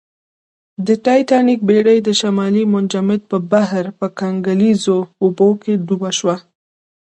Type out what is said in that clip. د ټیټانیک بېړۍ د شمالي منجمند بحر په کنګلیزو اوبو کې ډوبه شوه